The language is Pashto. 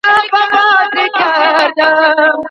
ازاد انسان د خرڅلاو لپاره هيڅ جواز نه لري.